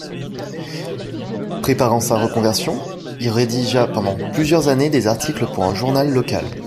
Préparant sa reconversion, il rédigea pendant plusieurs années des articles pour un journal local.